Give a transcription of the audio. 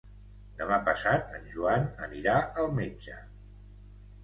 Demà passat en Joan anirà al metge.